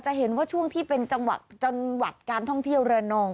เห็นว่าช่วงที่เป็นจังหวัดการท่องเที่ยวระนอง